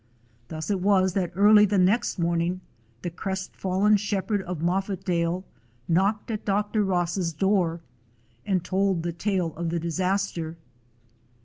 Thus it was that early the next morning the crestfallen shepherd of Moffatdale knocked at Dr. Ross's door and told the tale of the dis aster.